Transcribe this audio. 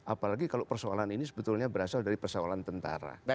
apalagi kalau persoalan ini sebetulnya berasal dari persoalan tentara